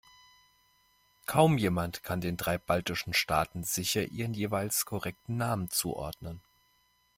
Kaum jemand kann den drei baltischen Staaten sicher ihren jeweils korrekten Namen zuordnen.